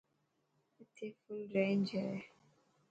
اتي فل رينج هي.